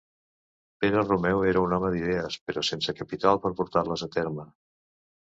Pere Romeu era un home d'idees però sense capital per portar-les a terme.